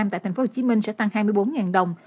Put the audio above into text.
tại tp hcm sẽ tăng hai mươi bốn đồng